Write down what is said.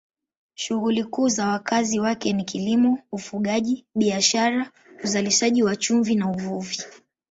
Shughuli kuu za wakazi wake ni kilimo, ufugaji, biashara, uzalishaji wa chumvi na uvuvi.